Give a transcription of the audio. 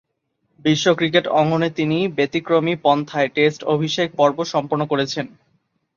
বিশ্ব ক্রিকেট অঙ্গনে তিনি ব্যতিক্রমী পন্থায় টেস্ট অভিষেক পর্ব সম্পন্ন করেছেন।